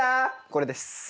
これです。